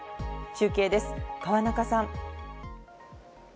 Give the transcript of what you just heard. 中継です、河中さん。